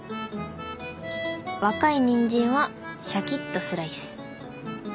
若いニンジンはシャキッとスライス。